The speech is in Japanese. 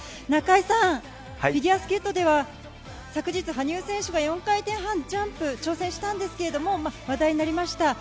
中井さん、フィギュアスケートでは昨日、羽生選手が４回転半ジャンプに挑戦したんですけれど、話題になりました。